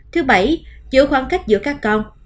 thứ bảy giữ khoảng cách giữa các con